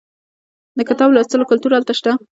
د کتاب لوستلو کلتور هلته شته.